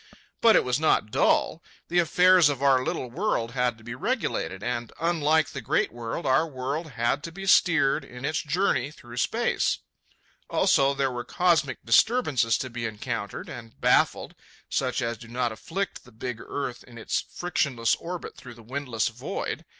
But it was not dull. The affairs of our little world had to be regulated, and, unlike the great world, our world had to be steered in its journey through space. Also, there were cosmic disturbances to be encountered and baffled, such as do not afflict the big earth in its frictionless orbit through the windless void.